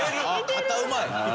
肩うまい。